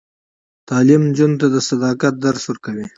تعلیم نجونو ته د صداقت درس ورکوي.